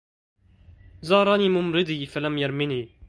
زارني ممرضي فلم يرمني